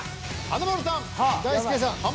華丸さんは？